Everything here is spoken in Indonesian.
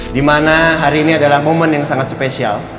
dimana hari ini adalah momen yang sangat spesial